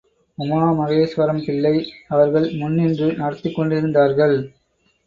உமாமகேசுவரம் பிள்ளை அவர்கள் முன்நின்று நடத்திக் கொண்டிருந்தார்கள்.